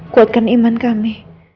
kuatkan iman kami